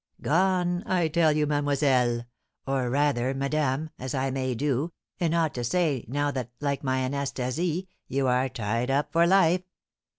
"Gone! I tell you, mademoiselle, or, rather, madame, as I may, do, and ought to say, now that, like my Anastasie, you are tied up for life."